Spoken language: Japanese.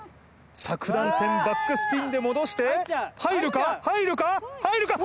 着弾点バックスピンで戻して入っちゃう入るか入るか入るか！？